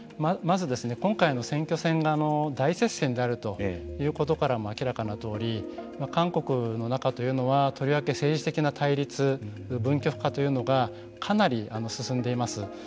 まず今回の選挙戦が大接戦であるということからも明らかなとおり韓国の中はとりわけ政治的な対立分極化というのがかなり進んでいます。